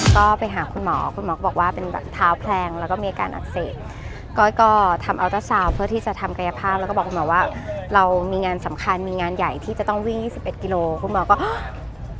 ก็ไปหาคุณหมอคุณหมอบอกว่าเป็นมีแบบเท้าแพลงแล้วก็มีอาการอักเสบก็ก็ทำเอาตะเฉาเพื่อที่จะทำกายภาพแล้วก็บอกมาว่าเรามีงานสำคัญมีงานใหญ่ที่จะต้องวิ่งยี่สิบแปดกิโลคุณหมอก็อนด์นี่